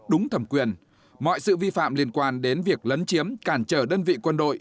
đúng thẩm quyền mọi sự vi phạm liên quan đến việc lấn chiếm cản trở đơn vị quân đội